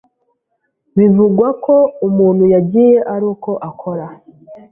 bivugwa ko umuntu yagiyeyo aruko akora